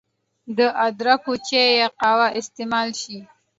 د ادرکو چای يا قهوه استعمال شي